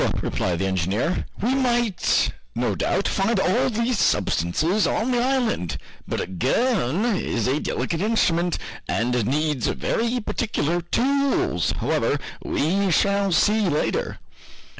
replied the engineer, "we might, no doubt, find all these substances on the island, but a gun is a delicate instrument, and needs very particular tools. However, we shall see later!"